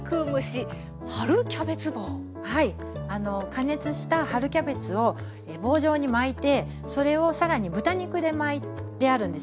加熱した春キャベツを棒状に巻いてそれを更に豚肉で巻いてあるんですね。